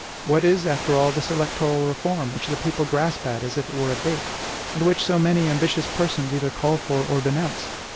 What is, after all, this electoral reform which the people grasp at, as if it were a bait, and which so many ambitious persons either call for or denounce?